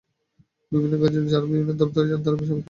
বিভিন্ন কাজে যাঁরা বিভিন্ন সরকারি দপ্তরে যান, তাঁরা কী সেবা পান?